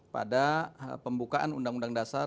pada pembukaan undang undang dasar